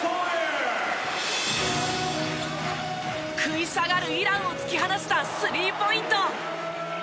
食い下がるイランを突き放したスリーポイント！